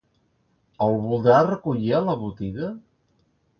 El voldrà recollir a la botiga?